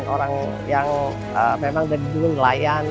orang yang memang dari dunia nelayan